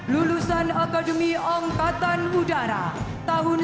lulusan akademi angkatan udara tahun seribu sembilan ratus sembilan puluh sembilan